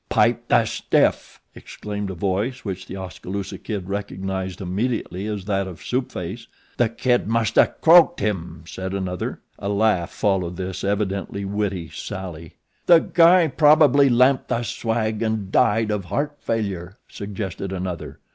"Pipe the stiff," exclaimed a voice which The Oskaloosa Kid recognized immediately as that of Soup Face. "The Kid musta croaked him," said another. A laugh followed this evidently witty sally. "The guy probably lamped the swag an' died of heart failure," suggested another.